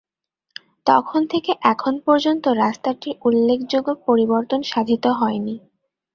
তখন থেকে এখন পর্যন্ত রাস্তাটির উল্লেখযোগ্য পরিবর্তন সাধিত হয়নি।